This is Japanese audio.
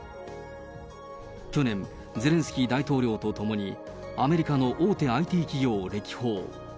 去年、ゼレンスキー大統領と共に、アメリカの大手ＩＴ企業を歴訪。